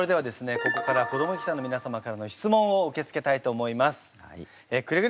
ここから子ども記者の皆様からの質問を受け付けたいと思います。